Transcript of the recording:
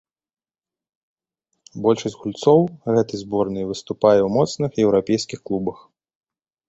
Большасць гульцоў гэтай зборнай выступае ў моцных еўрапейскіх клубах.